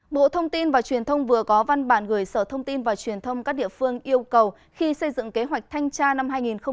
bộ thông tin và truyền thông vừa có văn bản gửi sở thông tin và truyền thông các địa phương yêu cầu khi xây dựng kế hoạch thanh tra năm hai nghìn hai mươi